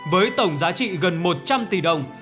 với tổng giá trị gần một trăm linh tỷ đồng